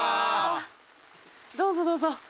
どうぞどうぞ。